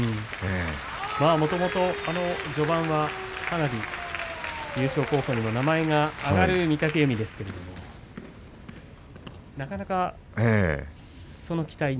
もともと序盤は、かなり優勝候補にも名前が挙がる御嶽海ですけれどもなかなか、その期待に。